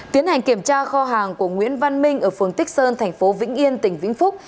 tiến hành kiểm tra kho hàng của nguyễn văn minh ở phường tích sơn thành phố vĩnh yên tỉnh vĩnh phúc